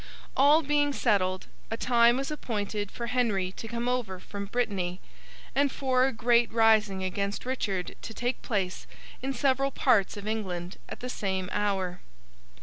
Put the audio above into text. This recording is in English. All being settled, a time was appointed for Henry to come over from Brittany, and for a great rising against Richard to take place in several parts of England at the same hour.